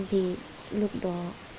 thì lúc đó